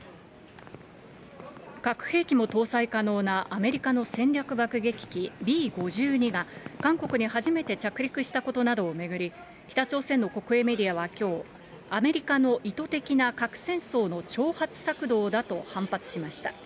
核兵器も搭載可能なアメリカの戦略爆撃機、Ｂ５２が韓国に初めて着陸したことなどを巡り、北朝鮮の国営メディアはきょう、アメリカの意図的な核戦争の挑発策動だと反発しました。